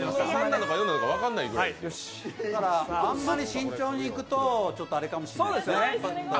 あんまり慎重にいくと、あれかもしれないですね。